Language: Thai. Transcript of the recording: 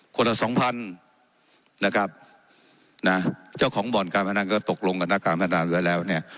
ละสองพันนะครับนะเจ้าของบ่อนการพนันก็ตกลงกับนักการพัฒนาเรือแล้วเนี่ย